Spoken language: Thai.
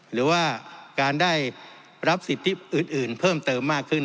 หรือว่าการได้รับสิทธิอื่นเพิ่มเติมมากขึ้น